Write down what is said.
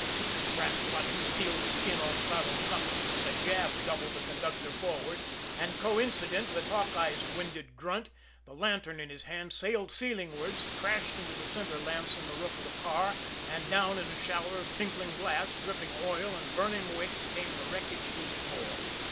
The brass button peeled the skin off Toddles' knuckles, but the jab doubled the conductor forward, and coincident with Hawkeye's winded grunt, the lantern in his hand sailed ceilingwards, crashed into the center lamps in the roof of the car, and down in a shower of tinkling glass, dripping oil and burning wicks, came the wreckage to the floor.